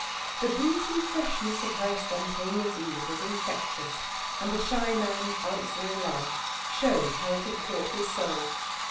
The breezy freshness of her spontaneous ease was infectious, and the shy man's answering laugh showed how it had caught his soul.